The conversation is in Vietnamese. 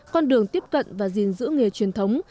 con đường tiếp cận và gìn giữ nghề truyền thống